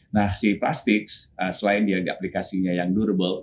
nah si plastik selain dia aplikasinya yang durable